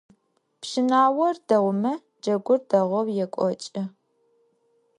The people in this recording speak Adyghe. Пщынаор дэгъумэ джэгур дэгъоу екӏокӏы.